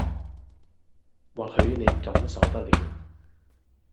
或許你感受不了